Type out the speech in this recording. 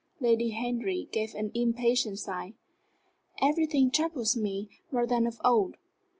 Lady Henry gave an impatient sigh. "Everything troubles me more than of old.